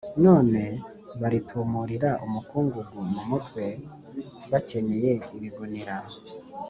none baritumurira umukungugu mu mutwe, bakenyeye ibigunira.